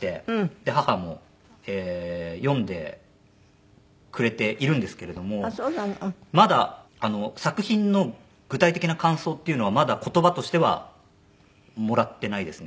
で母も読んでくれているんですけれどもまだ作品の具体的な感想っていうのはまだ言葉としてはもらってないですね。